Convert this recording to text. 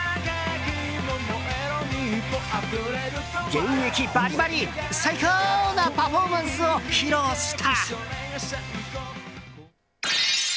現役バリバリ「サイコー！」なパフォーマンスを披露した。